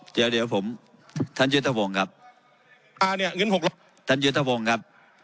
เดี๋ยวเดี๋ยวผมท่านยุทธพงศ์ครับท่านยุทธพงศ์ครับ